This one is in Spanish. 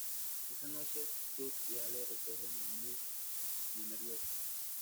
Esa noche, Tuck y Alex recogen a un Munch muy nervioso.